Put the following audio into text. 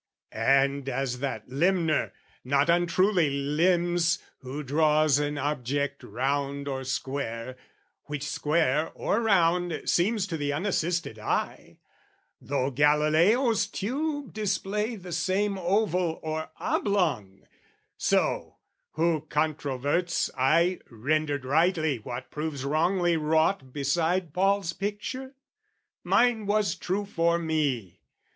"And as that limner not untruly limns "Who draws an object round or square, which square "Or round seems to the unassisted eye, "Though Galileo's tube display the same "Oval or oblong, so, who controverts "I rendered rightly what proves wrongly wrought "Beside Paul's picture? Mine was true for me.